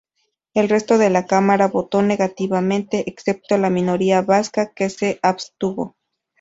El resto de la cámara voto negativamente, excepto la minoría vasca que se abstuvo.